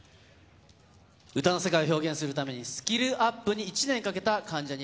歌の世界を表現するためのスキルアップに１年かけた関ジャニ∞。